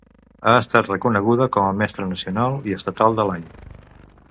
Ha estat reconeguda com a Mestra Nacional i estatal de l'Any.